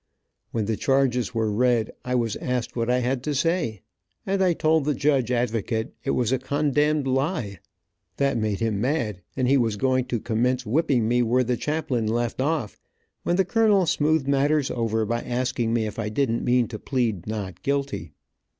When the charges were read I was asked what I had to say, and I told the Judge Advocate it was a condemned lie. That made him mad, and he was going to commence whipping me where the chaplain left off, when the colonel smoothed matters over by asking me if I didn't mean to plead "not guilty."